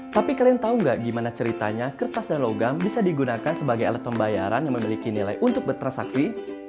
tapi kalian tahu nggak gimana ceritanya kertas dan logam bisa digunakan sebagai alat pembayaran yang memiliki nilai untuk bertransaksi